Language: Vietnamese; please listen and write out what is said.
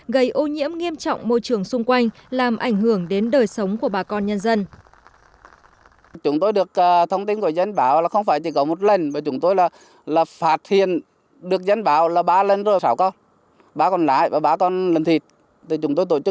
gây ô nhiễm nghiêm trọng môi trường xung quanh làm ảnh hưởng đến đời sống của bà con nhân dân